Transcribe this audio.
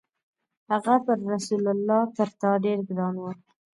هغه پر رسول الله تر تا ډېر ګران و.